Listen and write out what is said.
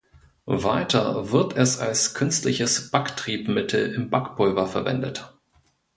Weiter wird es als künstliches Backtriebmittel in Backpulver verwendet.